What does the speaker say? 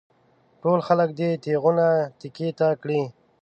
ټول خلک دې تېغونه تېکې ته کړي.